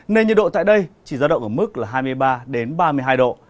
nơi nhiệt độ tại đây chỉ ra động ở mức hai mươi ba ba mươi hai độ